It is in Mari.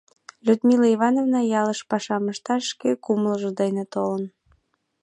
Людмила Ивановна ялыш пашам ышташ шке кумылжо дене толын!